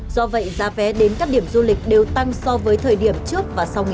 do vậy giá vé đến các điểm du lịch đều tăng so với thời điểm trước và sau nghỉ